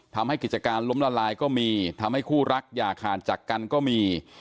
ทำให้กิจการล้มละลายก็มีทำให้คู่รักอย่าขาดจากกันก็มี